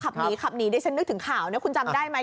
คลับหนีคลับหนีเลยจนนึกถึงข่าวรู้จักหมดไหม